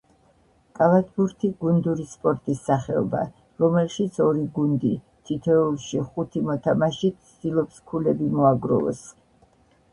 კალათბურთი — გუნდური სპორტის სახეობა, რომელშიც ორი გუნდი, თითოეულში ხუთი მოთამაშით ცდილობს ქულები მოაგროვოს